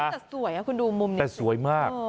แต่สวยคุณดูมุมนี้แต่สวยมาก